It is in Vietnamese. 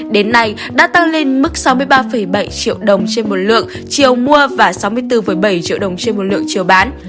đến nay đã tăng lên mức sáu mươi ba bảy triệu đồng trên một lượng chiều mua và sáu mươi bốn bảy triệu đồng trên một lượng chiều bán